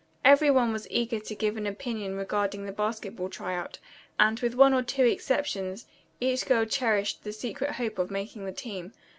Everyone was eager to give an opinion regarding the basketball try out, and with one or two exceptions each girl cherished the secret hope of making the team.